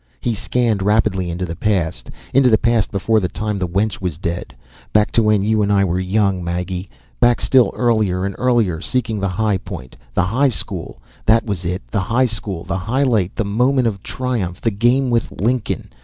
He scanned rapidly into the past. Into the past, before the time the wench was dead, back to when you and I were young, Maggie, back still earlier, and earlier, seeking the high point, the high school, that was it, the high school, the highlight, the moment of triumph, the game with Lincoln.